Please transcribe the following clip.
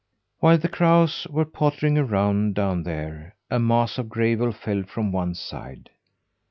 While the crows were pottering around down there, a mass of gravel fell from one side.